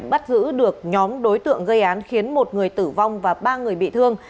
bắt giữ được nhóm đối tượng gây án khiến một người tử vong và ba người bị thương